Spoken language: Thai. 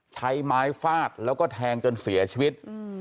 ใช้ไม้ฟาดแล้วก็แทงจนเสียชีวิต